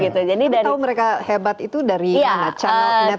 tapi tahu mereka hebat itu dari mana